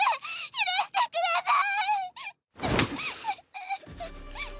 許してください！